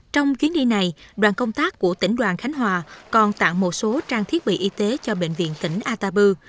trong chuyến đi này đoàn công tác của tỉnh đoàn khánh hòa còn tặng một số trang thiết bị y tế cho bệnh viện tỉnh atabu